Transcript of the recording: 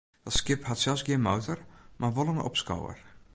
Dat skip hat sels gjin motor, mar wol in opskower.